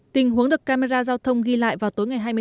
tình huống được camera giao thông ghi lại vào tối ngày hai